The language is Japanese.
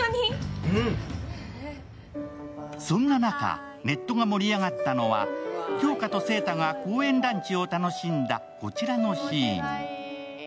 そんな中、ネットが盛り上がったのは杏花と晴太が公園ランチを楽しんだこちらのシーン。